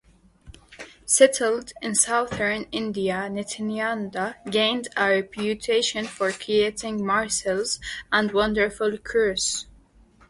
Settled in southern India, Nityananda gained a reputation for creating miracles and wonderful cures.